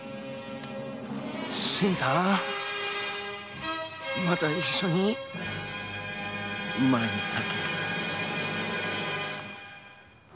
新さんまた一緒にうまい酒を。